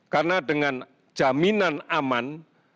karena dengan jaminan aman